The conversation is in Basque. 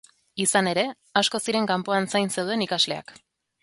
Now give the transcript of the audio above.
Izan ere, asko ziren kanpoan zain zeuden ikasleak.